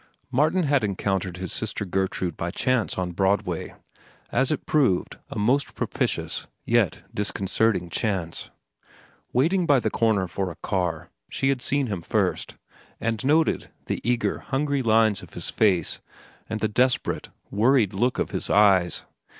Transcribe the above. Martin had encountered his sister Gertrude by chance on Broadway—as it proved, a most propitious yet disconcerting chance. Waiting on the corner for a car, she had seen him first, and noted the eager, hungry lines of his face and the desperate, worried look of his eyes.